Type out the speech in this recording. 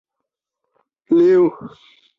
拉博姆科尔尼朗。